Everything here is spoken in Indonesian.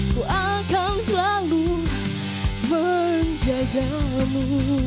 ku akan selalu menjagamu